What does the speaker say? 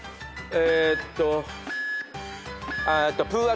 えっと。